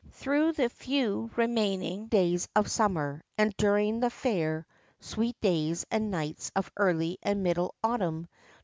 Through the few remaining days of summer, and during the fair, sweet days and nights of early and middle autumn.